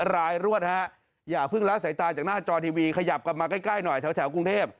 รายรวดฮะอย่าพึ่งแล้วใส่ตาจากหน้าจอนทีวีขยับมาใกล้หน่อยชาวแถวกรุงเทพ